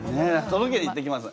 とどけに行ってきます。